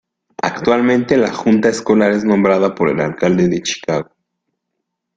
Actualmente la Junta Escolar es nombrada por el Alcalde de Chicago.